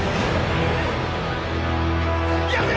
やめろ！